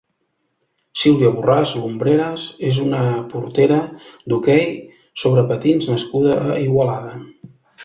Sílvia Borràs Lumbreras és una portera d'hoquei sobre patins nascuda a Igualada.